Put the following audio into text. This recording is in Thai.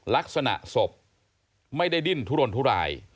ลักษณะศพไม่ได้ดิ้นทุรนทุราย